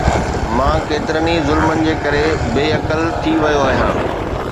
مان ڪيترن ئي ظلمن جي ڪري بي عقل ٿي ويو آهيان